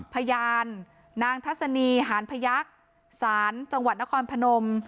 พยานนางทัศนีหานพยักษ์ศาลจังหวัดนครพนม